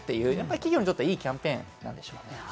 企業にとってはいいキャンペーンなんでしょうね。